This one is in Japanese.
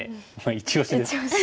イチオシですか。